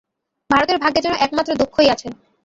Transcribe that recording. ভারতের ভাগ্যে যেন একমাত্র দুঃখই আছে।